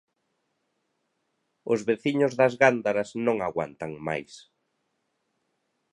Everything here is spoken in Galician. Os veciños das Gándaras non aguantan máis.